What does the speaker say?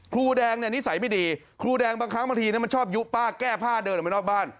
ครูแดงเนี่ยนิสัยไม่ดีครูแดงบางครั้งบางทีมันชอบยุป้าแก้ผ้าเดินออกไปนอกบ้าน